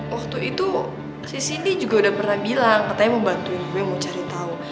waktu itu si siti juga udah pernah bilang katanya mau bantuin gue mau cari tau